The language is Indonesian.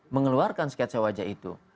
mengeluarkan sketsa wajah itu